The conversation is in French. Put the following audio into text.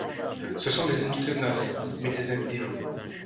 Ce sont des ennemis tenaces mais des amis dévoués.